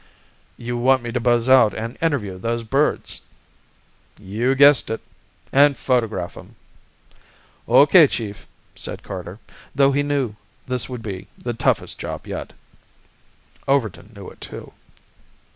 "You want me to buzz out and interview those birds?" "You guessed it. And photograph 'em!" "Okay, Chief," said Carter, though he knew this would be the toughest job yet. Overton knew it, too.